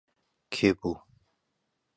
کێ بوو؟